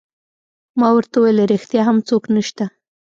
ما ورته وویل: ریښتیا هم څوک نشته؟